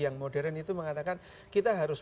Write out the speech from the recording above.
yang modern itu mengatakan kita harus